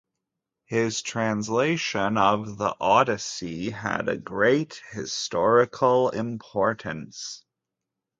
His translation of the "Odyssey" had a great historical importance.